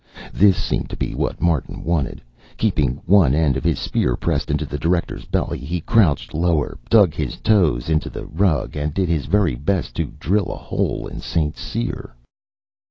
This seemed to be what Martin wanted. Keeping one end of his spear pressed into the director's belly, he crouched lower, dug his toes into the rug, and did his very best to drill a hole in St. Cyr.